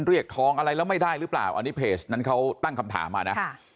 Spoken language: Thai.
เรียกทองอะไรแล้วไม่ได้หรือเปล่าอันนี้เพจนั้นเขาตั้งคำถามมานะ